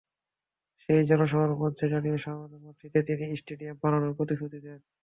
সেই জনসভার মঞ্চে দাঁড়িয়ে সামনের মাঠটিতে তিনি স্টেডিয়াম বানানোর প্রতিশ্রুতি দেন।